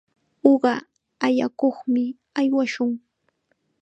Uqa allakuqmi aywashun.